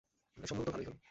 সম্ভবত ভালোই হলো।